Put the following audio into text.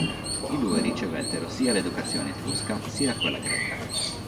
I due ricevettero sia l'educazione etrusca sia quella greca.